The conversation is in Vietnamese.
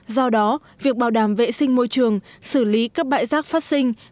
do đó việc bảo đảm vệ sinh môi trường xử lý các bãi rác phát sinh